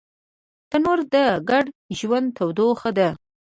تنور د ګډ ژوند تودوخه ده